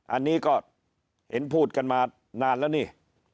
อันนี้ก็เห็นพูดกันมานานแล้วนี่